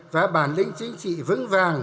và bản lĩnh chính trị vững vàng